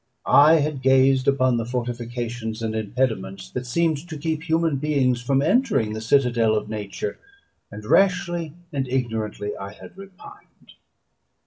I had gazed upon the fortifications and impediments that seemed to keep human beings from entering the citadel of nature, and rashly and ignorantly I had repined.